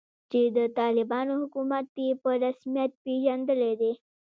چې د طالبانو حکومت یې په رسمیت پیژندلی دی